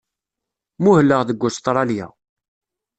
Muhleɣ deg Ustṛalya.